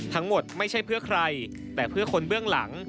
ไม่ใช่เพื่อใครแต่เพื่อคนเบื้องหลัง